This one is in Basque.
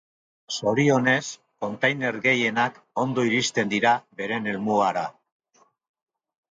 Zorionez kontainer gehienak ondo iristen dira beren helmugara.